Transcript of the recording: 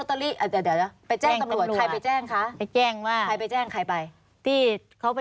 อืม